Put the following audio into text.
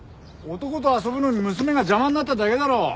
男と遊ぶのに娘が邪魔になっただけだろ！